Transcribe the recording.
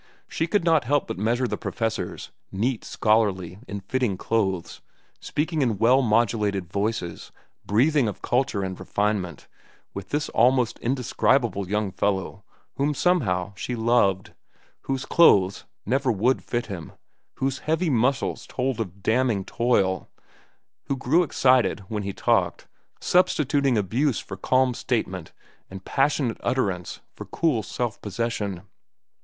She could not help but measure the professors, neat, scholarly, in fitting clothes, speaking in well modulated voices, breathing of culture and refinement, with this almost indescribable young fellow whom somehow she loved, whose clothes never would fit him, whose heavy muscles told of damning toil, who grew excited when he talked, substituting abuse for calm statement and passionate utterance for cool self possession.